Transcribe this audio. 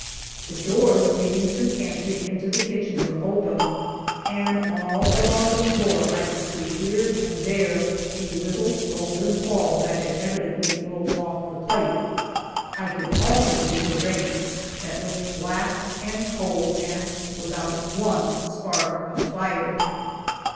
The doors leading through pantry into the kitchen were open and all along the floor I could see here and there a little golden ball that had evidently rolled off the plate. I could also see the range that looked black and cold and without one spark of fire!